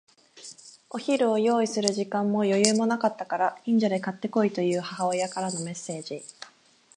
お昼を用意する時間も余裕もなかったから、近所で買って来いという母親からのメッセージ。